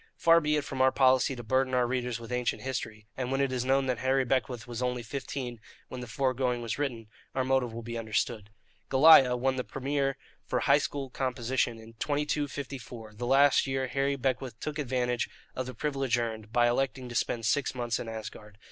Far be it from our policy to burden our readers with ancient history; and when it is known that Harry Beckwith was only fifteen when the fore going was written, our motive will be understood. "Goliah" won the Premier for high school composition in 2254, and last year Harry Beckwith took advantage of the privilege earned, by electing to spend six months in Asgard.